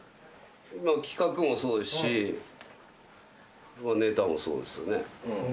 企画もそうですしネタもそうですよね。